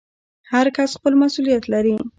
هر کس خپل مسوولیت لري